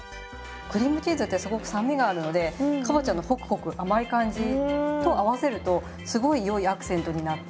クリームチーズってすごく酸味があるのでかぼちゃのホクホク甘い感じと合わせるとすごいよいアクセントになって。